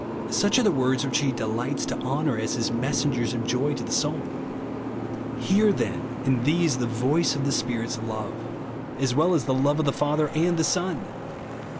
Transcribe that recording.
Such are the words which he delights to honour as his messengers of joy to the souL Hear then, in these, the voice of the Spirit's love, as well as the love of the Father and the Son